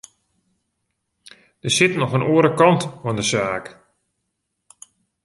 Der sit noch in oare kant oan de saak.